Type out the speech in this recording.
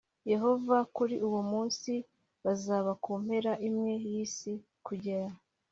Yehova kuri uwo munsi bazaba ku mpera imwe y isi kugera